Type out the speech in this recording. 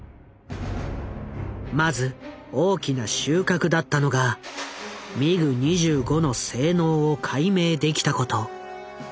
まず大きな収穫だったのがミグ２５の性能を解明できたこと。